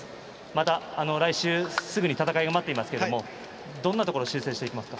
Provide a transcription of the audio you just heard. また来週、すぐに戦いが待っていますがどんなところ修正していきますか？